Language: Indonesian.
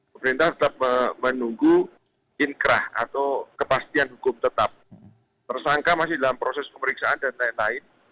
pemerintah tetap menunggu inkrah atau kepastian hukum tetap tersangka masih dalam proses pemeriksaan dan lain lain